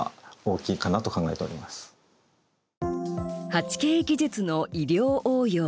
８Ｋ技術の医療応用。